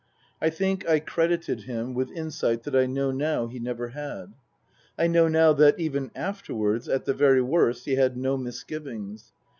I think I credited him with insight that I know now he never had. I know now that, even afterwards at the very worst he had no mis givings.